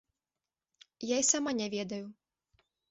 Я і сама не ведаю.